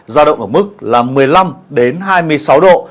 giao động ở mức là một mươi năm hai mươi sáu độ